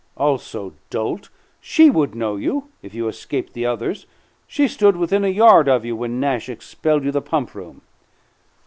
Also, dolt, she would know you if you escaped the others. She stood within a yard of you when Nash expelled you the pump room."